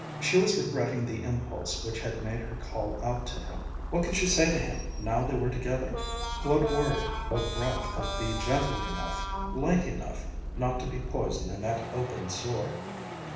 She was regretting the impulse which had made her call out to him. What could she say to him now they were together? What word, what breath could be gentle enough, light enough not to be poison to that open sore?